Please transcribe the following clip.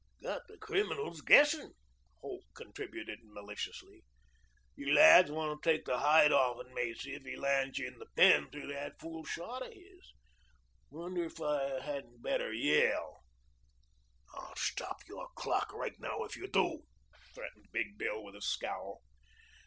"Got the criminals guessing," Holt contributed maliciously. "You lads want to take the hide offen Macy if he lands you in the pen through that fool shot of his. Wonder if I hadn't better yell." "I'll stop your clock right then if you do," threatened Big Bill with a scowl.